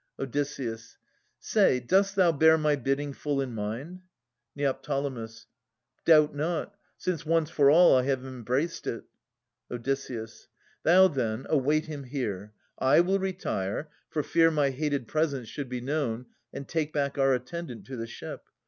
Od. Say, dost thou bear my bidding full in mind? Neo. Doubt not, since once for all I have embraced it. Od. Thou, then, await him here. I will retire. For fear my hated presence should be known. And take back our attendant to the ship.